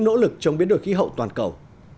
nỗ lực chống biến đổi khí hậu toàn cầu